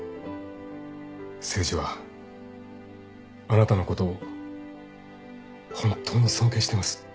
誠治はあなたのことを本当に尊敬してます。